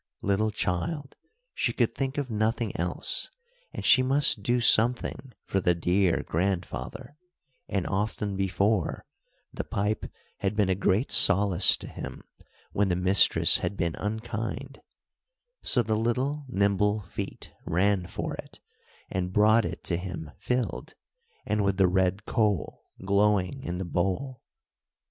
Little child! she could think of nothing else, and she must do something for the dear grandfather; and often before, the pipe had been a great solace to him, when the mistress had been unkind; so the little nimble feet ran for it, and brought it to him filled, and with the red coal glowing in the bowl.